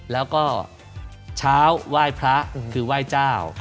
แล้วก็เช้าไหว้พระคือไหว้เจ้า